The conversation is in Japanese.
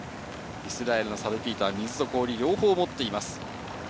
イスラエルのサルピーターは水と氷を両方持っています。